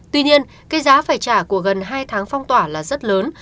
tuy nhiên cái giá phải trả của gần hai tháng phong tỏa là rất lớn